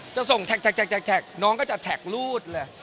จะส่งแท็กน้องก็จะแท็กรูดเลย